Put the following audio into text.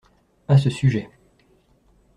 À ce sujet.